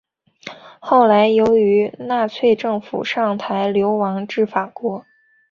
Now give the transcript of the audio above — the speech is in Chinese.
后来由于纳粹政府上台流亡至法国。